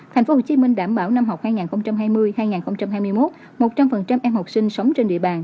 thành phố hồ chí minh đảm bảo năm học hai nghìn hai mươi hai nghìn hai mươi một một trăm linh em học sinh sống trên địa bàn